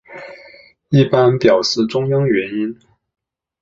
一般表示中央元音。